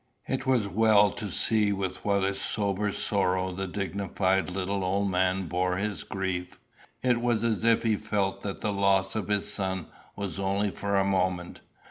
It was well to see with what a sober sorrow the dignified little old man bore his grief. It was as if he felt that the loss of his son was only for a moment.